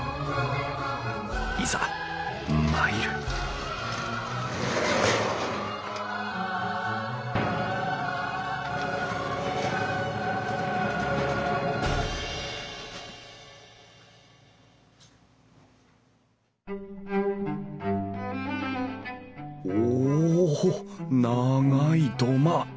いざ参るおお長い土間。